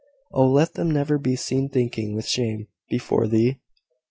Oh! let them never be seen sinking with shame before thee.